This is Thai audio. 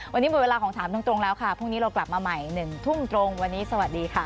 วันนี้หมดเวลาของถามตรงแล้วค่ะพรุ่งนี้เรากลับมาใหม่๑ทุ่มตรงวันนี้สวัสดีค่ะ